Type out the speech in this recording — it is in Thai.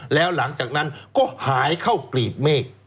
แล้วหลังจากนั้นก็หายเข้ากลีบเมฆ